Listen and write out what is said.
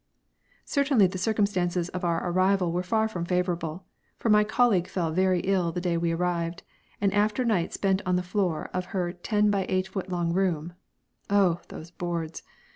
Certainly the circumstances of our arrival were far from favourable, for my colleague fell very ill the day we arrived, and after a night spent on the floor of her ten by eight feet long room (oh, those boards!